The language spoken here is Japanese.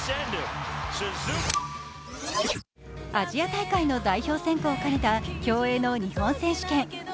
アジア大会の代表選考を兼ねた競泳の日本選手権。